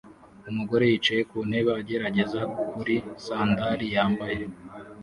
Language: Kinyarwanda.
Umugore yicaye ku ntebe agerageza kuri sandali yambaye